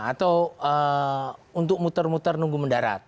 atau untuk muter muter nunggu mendarat